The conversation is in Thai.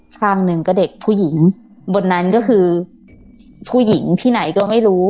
ข้างหนึ่งก็เด็กผู้หญิงบนนั้นก็คือผู้หญิงที่ไหนก็ไม่รู้